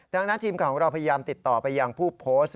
ดังนั้นทีมข่าวของเราพยายามติดต่อไปยังผู้โพสต์